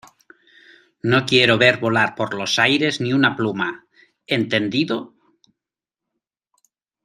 no quiero ver volar por los aires ni una pluma, ¿ entendido?